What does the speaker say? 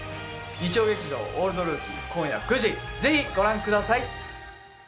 日曜劇場「オールドルーキー」今夜９時ぜひご覧ください